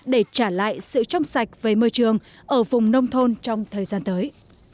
để trả lại sự trong sạch về môi trường ở vùng nông thôn trong thời gian tới